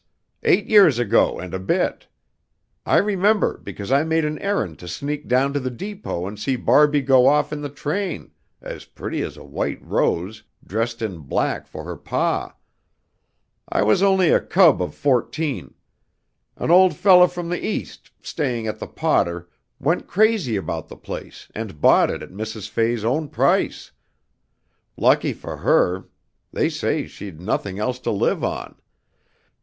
Eight years ago and a bit. I remember because I made an errand to sneak down to the depot and see Barbie go off in the train, as pretty as a white rose, dressed in black for her pa. I was only a cub of fourteen. An old feller from the East, staying at the Potter, went crazy about the place and bought it at Mrs. Fay's own price. (Lucky for her! They say she'd nothing else to live on!)